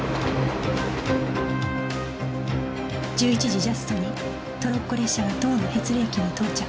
１１時ジャストにトロッコ列車は塔のへつり駅に到着